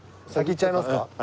先行っちゃいますか？